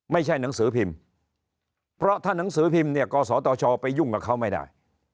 ไม่ใช่หนังสือพิมพ์เพราะถ้าหนังสือพิมพ์เนี่ยกศตชไปยุ่งกับเขาไม่ได้